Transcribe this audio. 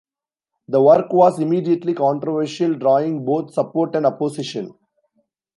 The work was immediately controversial, drawing both support and opposition.